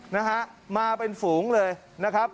นะฮะมาเป็นฝูงเลยนะครับ